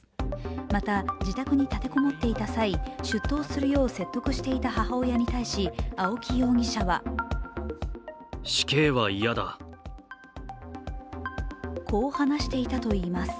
また自宅に立て籠もっていた際、出頭するよう説得していた母親に対して青木容疑者はこう話していたといいます。